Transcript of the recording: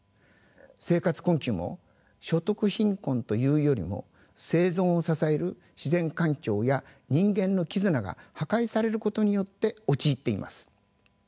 生活困窮も所得貧困というよりも生存を支える自然環境や人間の絆が破壊されることによって陥っています。